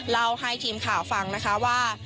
เล่าให้ทีมข่าวฟังนะคะว่า